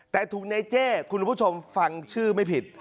แต่ถูกในเจ้คุณผู้ชมฟังชื่อไม่ผิด